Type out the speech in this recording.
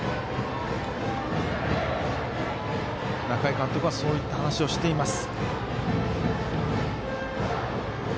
仲井監督はそういった話をしています。